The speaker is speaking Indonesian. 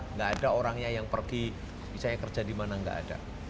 nggak ada orangnya yang pergi bisa kerja dimana nggak ada